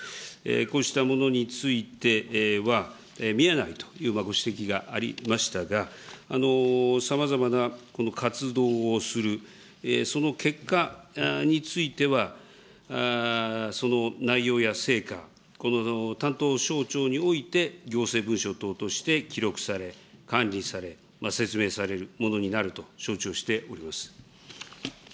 こうしたものについては、見えないという今、ご指摘がありましたが、さまざまな活動をする、その結果については、その内容や成果、この担当省庁において行政文書等として記録され、管理され、説明されるものになると承知をしております。